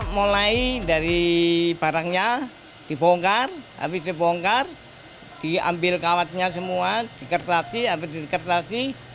mulai dari barangnya dibongkar habis dibongkar diambil kawatnya semua dikertasi habis disertasi